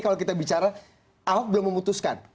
kalau kita bicara ahok belum memutuskan